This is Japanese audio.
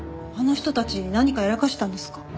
あの人たち何かやらかしたんですか？